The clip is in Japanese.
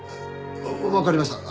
わかりました。